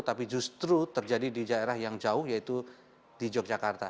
tapi justru terjadi di daerah yang jauh yaitu di yogyakarta